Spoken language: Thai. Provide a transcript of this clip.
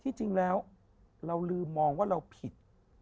จริงแล้วเราลืมมองว่าเราผิด